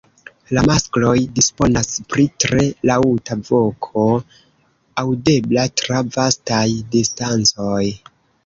La maskloj disponas pri tre laŭta voko, aŭdebla tra vastaj distancoj.